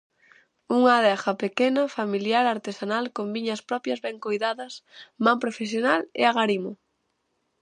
Unha adega pequena, familiar, artesanal, con viñas propias ben coidadas, man profesional e agarimo.